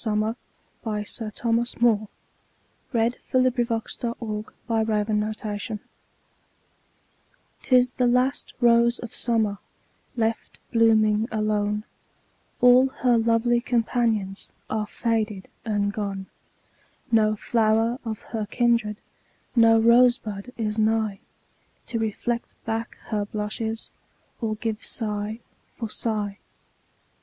...other Poetry Sites Thomas Moore (1779 1852) 'TIS THE LAST ROSE OF SUMMER 'TIS the last rose of summer, Left blooming alone ; All her lovely companions Are faded and gone ; No flower of her kindred, No rose bud is nigh, To reflect back her blushes, Or give sigh for sigh.